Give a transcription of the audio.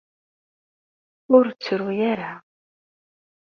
Ur ttruy ara.